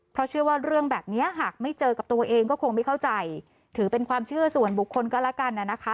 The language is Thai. เพราะเชื่อว่าเรื่องแบบนี้หากไม่เจอกับตัวเองก็คงไม่เข้าใจถือเป็นความเชื่อส่วนบุคคลก็แล้วกันนะคะ